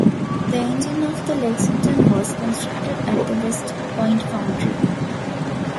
The engine of the "Lexington" was constructed at the West Point Foundry.